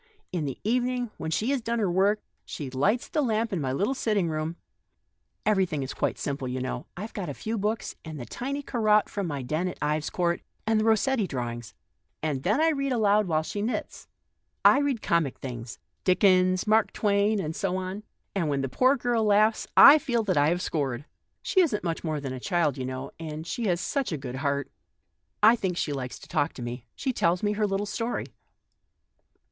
In the evening, when she has done her work, she lights the lamp in my little sitting room (everything is quite simple, you know ; only I've got a few books, and the tiny Corot from my den at Ives Court, and the Kossetti drawings), and then I read aloud while she knits. I read comic things — Dickens, Mark Twain, and so on ; and when the poor girl laughs, I feel that I have scored one. She isn't much more than a child, you know, and she has such a good heart. I think she likes to talk to me ; she tells me her little story."